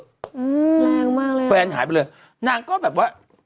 แรงมากแฟนหายไปเลยนางก็แบบว่า